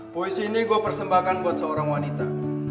puisi ini gue persembahkan buat seorang wanita